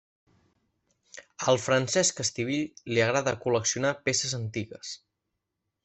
Al Francesc Estivill li agrada col·leccionar peces antigues.